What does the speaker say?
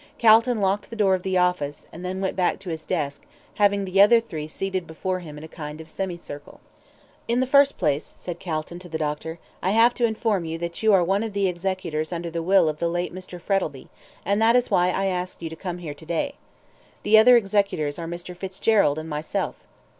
Calton locked the door of the office, and then went back to his desk, having the other three seated before him in a kind of semi circle. "In the first place," said Calton to the doctor, "I have to inform you that you are one of the executors under the will of the late Mr. Frettlby, and that is why I asked you to come here to day. The other executors are Mr. Fitzgerald and myself."